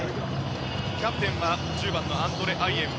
キャプテンは１０番のアンドレ・アイェウ。